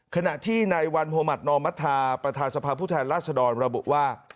ขณะที่ในวันโมหมัตนอมรัฐธาประธานสภาผู้แทนรัฐธรรมบุว่า